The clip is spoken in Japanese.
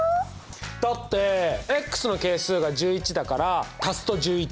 だっての係数が１１だから足すと１１。